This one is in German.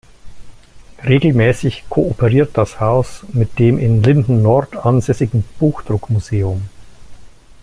Regelmäßig kooperiert das Haus mit dem in Linden-Nord ansässigen Buchdruck-Museum.